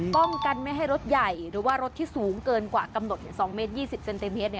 ป้องกันไม่ให้รถใหญ่หรือว่ารถที่สูงเกินกว่ากำหนด๒เมตร๒๐เซนติเมตร